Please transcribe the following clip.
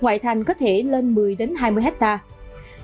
ngoại thành có thể lên một mươi hai mươi hectare